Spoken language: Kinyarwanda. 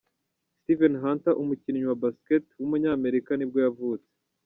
Steven Hunter, umukinnyi wa basketball w’umunyamerika nibwo yavutse.